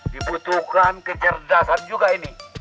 dibutuhkan kecerdasan juga ini